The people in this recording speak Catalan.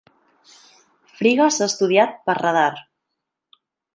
Frigga s'ha estudiat per radar.